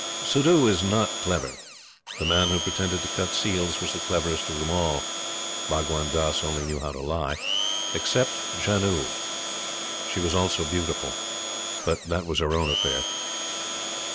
Suddhoo was not clever. The man who pretended to cut seals was the cleverest of them all Bhagwan Dass only knew how to lie except Janoo. She was also beautiful, but that was her own affair.